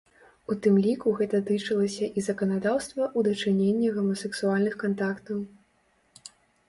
У тым ліку гэта тычылася і заканадаўства ў дачыненні гомасексуальных кантактаў.